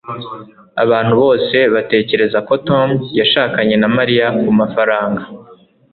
abantu bose batekereza ko tom yashakanye na mariya kumafaranga